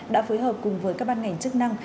đã phối hợp cùng với các ban ngành chức năng